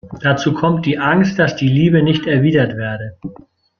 Dazu kommt die Angst, dass die Liebe nicht erwidert werde.